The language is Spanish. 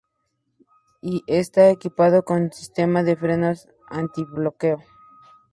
Y está equipado con sistema de frenos antibloqueo.